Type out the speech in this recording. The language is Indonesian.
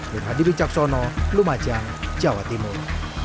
mirhadiri caksono lumajang jawa timur